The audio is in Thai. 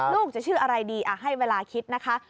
ลูกจะชื่ออะไรดีให้เวลาคิดนะคะ